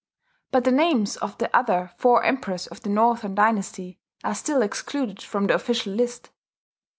But the names of the other four Emperors of the Northern Dynasty are still excluded from the official list.